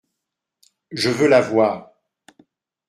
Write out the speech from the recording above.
Je veux la voir.